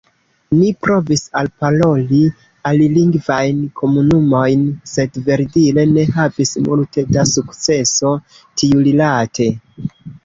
Ni provis alparoli alilingvajn komunumojn, sed verdire ne havis multe da sukceso tiurilate.